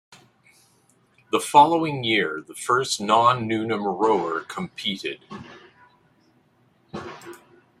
The following year, the first non-Newnham rower competed.